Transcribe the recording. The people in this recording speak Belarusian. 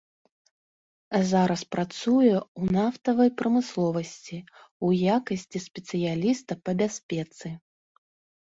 Зараз працуе ў нафтавай прамысловасці ў якасці спецыяліста па бяспецы.